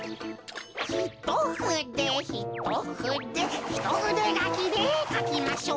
ひとふでひとふでひとふでがきでかきましょう。